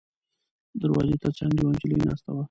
د دروازې تر څنګ یوه نجلۍ ناسته وه.